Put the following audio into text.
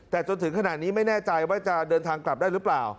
แต่จนถึงขณะนี้ไม่แน่ใจว่าจะเดินทางกลับได้หรือเปล่า